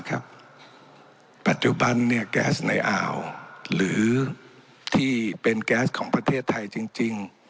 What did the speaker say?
ปัจจุบันแก๊สในอ่าวหรือที่เป็นแก๊สของประเทศไทยจริง